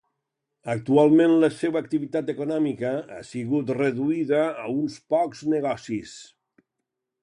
Actualment la seua activitat econòmica ha sigut reduïda a uns pocs negocis.